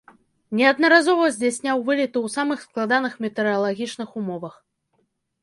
Неаднаразова здзяйсняў вылеты ў самых складаных метэаралагічных умовах.